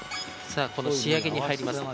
さあ、この仕上げに入ります。